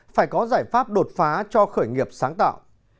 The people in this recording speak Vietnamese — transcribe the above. phải có giải pháp đột phá cho khởi nghiệp sáng tạo